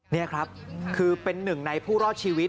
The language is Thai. นี่ครับคือเป็นหนึ่งในผู้รอดชีวิต